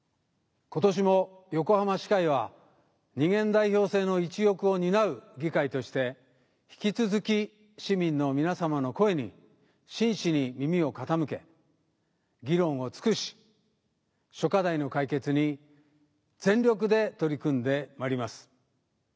今年も横浜市会は二元代表制の一翼を担う議会として引き続き市民の皆様の声に真摯に耳を傾け議論を尽くし諸課題の解決に全力で取り組んでまいります。